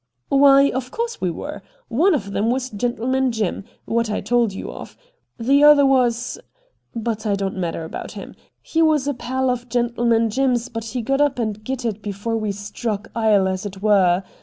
' Why, of course there were. One of them was Gentleman Jim, what I told you of. The other was — but it don't matter about him. He was a pal of Gentleman Jim's, but he got up and gitted before we struck ile as it were.